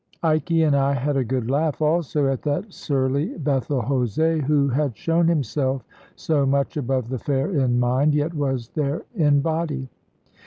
Ikey and I had a good laugh also at that surly Bethel Jose, who had shown himself so much above the fair in mind, yet was there in body.